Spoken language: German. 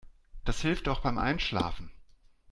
Das hilft auch beim Einschlafen.